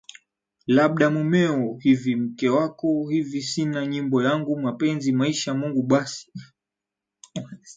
labda mumeo hivi mke wako hivi sina Nyimbo yangu mapenzi maisha Mungu basi